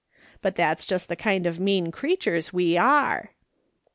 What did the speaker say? But tliat's just the kind of mean creatures we are.